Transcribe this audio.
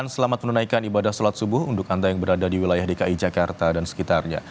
selamat menunaikan ibadah sholat subuh untuk anda yang berada di wilayah dki jakarta dan sekitarnya